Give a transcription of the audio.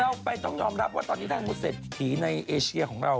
เราไปต้องยอมรับว่าตอนนี้ถ้าสมมติเสร็จผีในเอเชียของเรา